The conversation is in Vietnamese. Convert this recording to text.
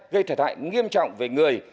gây thật hại nghiêm trọng về người